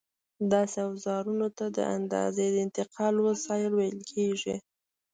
داسې اوزارونو ته د اندازې د انتقال وسایل ویل کېږي.